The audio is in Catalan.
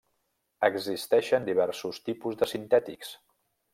Existeixen diversos tipus de sintètics.